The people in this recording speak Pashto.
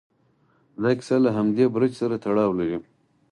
دا کیسه له همدې برج سره تړاو لري.